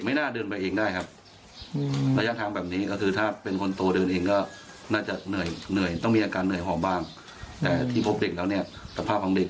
เพราะหลังหมู่บาลมันจะมีปากศักดิ์แล้วก็จะมีไล่อีกประมาณกี่โลกว่าจะโผล่ที่ผมเจอ